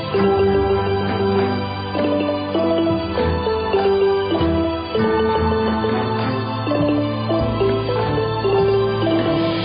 ที่สุดท้ายที่สุดท้ายที่สุดท้าย